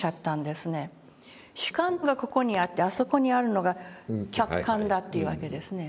主観がここにあってあそこにあるのが客観だというわけですね。